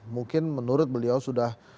mungkin menurut beliau sudah